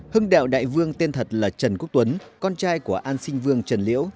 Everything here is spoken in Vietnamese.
hưng đạo đại vương tên thật là trần quốc tuấn con trai của an sinh vương trần liễu